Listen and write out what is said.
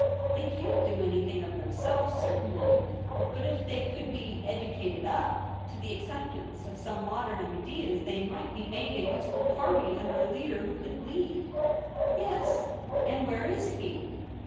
' They can't do anything of themselves, cer tainly. But if they could be '' educated up" to the acceptance of some modern ideas, they might be made a useful party under a leader who could lead.' LITER A SCRIPT A. 235 * Yes ; and where is he